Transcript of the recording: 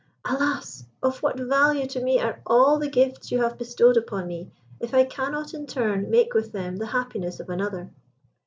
"Alas! of what value to me are all the gifts you have bestowed upon me, if I cannot in turn make with them the happiness of another?"